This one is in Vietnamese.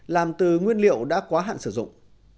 làm từ nguyên liệu đã quá hạn sử dụng